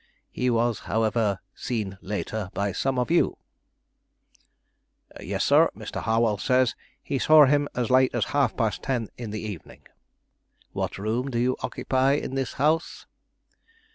"He was, however, seen later by some of you?" "Yes, sir; Mr. Harwell says he saw him as late as half past ten in the evening." "What room do you occupy in this house?"